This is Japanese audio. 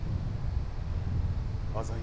浅井